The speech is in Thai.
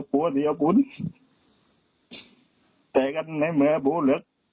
ตอนที่บ้านก็เป็นคนกลับมาพรุ่ง